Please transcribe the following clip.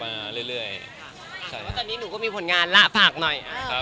มาเรื่อยใช่ครับแต่ว่าตอนนี้หนูก็มีผลงานละฝากหน่อยครับ